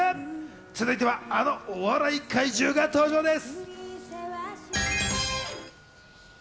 続いては、あのお笑い怪獣が登場です。